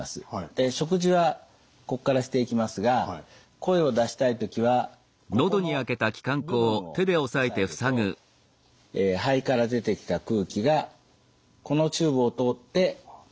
で食事はここからしていきますが声を出したい時はここの部分を押さえると肺から出てきた空気がこのチューブを通って喉に回ります。